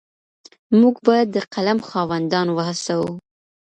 موږ بايد د قلم خاوندان وهڅوو.